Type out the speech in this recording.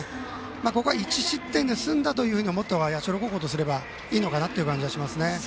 ここは１失点で済んだと思ったほうが社高校としてはいいのかなという感じがします。